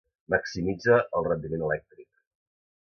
maximitza el rendiment elèctric